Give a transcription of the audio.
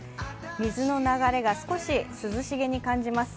水の流れが少し涼しげに感じます。